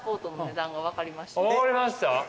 分かりました？